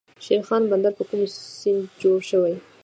شیرخان بندر په کوم سیند جوړ شوی؟